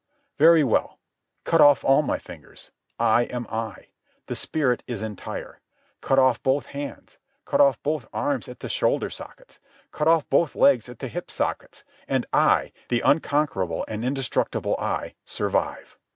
Very well. Cut off all my fingers. I am I. The spirit is entire. Cut off both hands. Cut off both arms at the shoulder sockets. Cut off both legs at the hip sockets. And I, the unconquerable and indestructible I, survive.